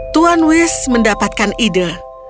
tuan wish mendapatkan ide